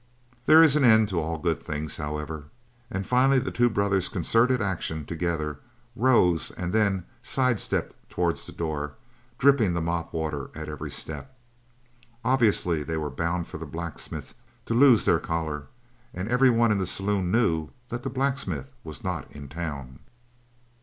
There is an end to all good things, however, and finally the two brothers concerted action together, rose, and then side stepped towards the door, dripping the mop water at every step. Obviously they were bound for the blacksmith's to lose their collar; and everyone in the saloon knew that the blacksmith was not in town.